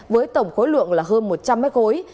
với tổng khối lượng là hơn một trăm linh mét khối